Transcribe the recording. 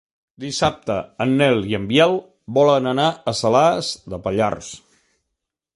Dissabte en Nel i en Biel volen anar a Salàs de Pallars.